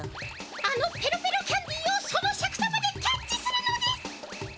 あのペロペロキャンディーをそのシャク様でキャッチするのです！